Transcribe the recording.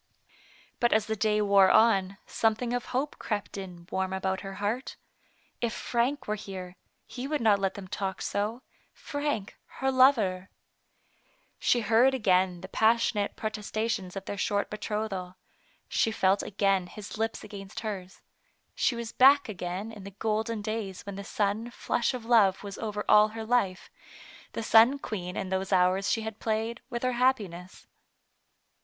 But as the day wore on, something of hope crept in warm about her heart. If Frank were here, he would not let them talk so — Frank, her lover. She heard again the passionate protesta tions of their short betrothal. She felt again his lips against hers. She was back again in the golden days when the sun flush of love was over all her life, and sun queen in those hours she had played with her happiness.